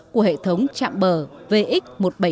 của hệ thống chạm bờ vx một nghìn bảy trăm bảy